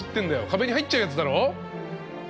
壁に入っちゃうやつだろう？